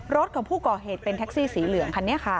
รถกับผู้ก่อเหตุมันแท็กซี่สีเหลือง